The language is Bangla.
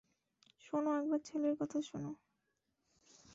শোনো একবার, ছেলের কথা শোনো।